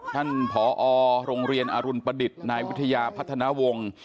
ผอโรงเรียนอรุณประดิษฐ์นายวิทยาพัฒนาวงศ์